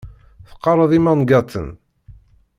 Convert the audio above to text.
Teqqareḍ imangaten?